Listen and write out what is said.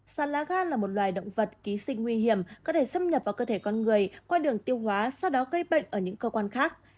sàn lá gan là một loài động vật ký sinh nguy hiểm có thể xâm nhập vào cơ thể con người qua đường tiêu hóa sau đó gây bệnh ở những cơ quan khác